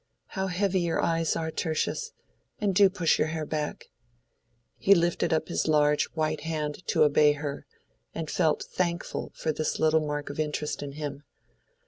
"How heavy your eyes are, Tertius—and do push your hair back." He lifted up his large white hand to obey her, and felt thankful for this little mark of interest in him.